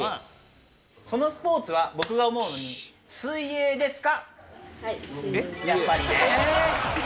そのスポーツは僕が思うに、水泳ですか？